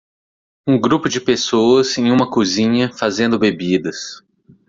Um grupo de pessoas em uma cozinha fazendo bebidas.